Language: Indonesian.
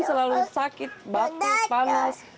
selalu sakit batu panas